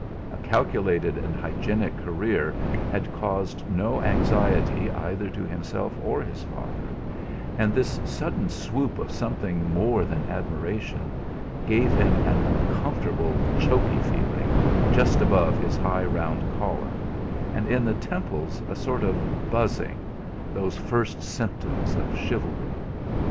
A calculated and hygienic career had caused no anxiety either to himself or his father; and this sudden swoop of something more than admiration gave him an uncomfortable choky feeling just above his high round collar, and in the temples a sort of buzzing those first symptoms of chivalry.